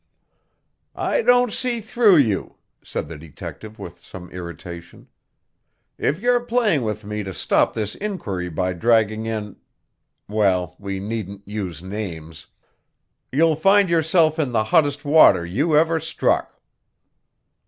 "I don't see through you," said the detective with some irritation. "If you're playing with me to stop this inquiry by dragging in well, we needn't use names you'll find yourself in the hottest water you ever struck."